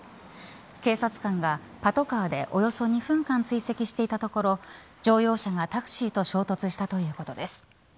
警察官がパトカーでおよそ２分間追跡していたところ乗用車がタクシーと衝突したということです。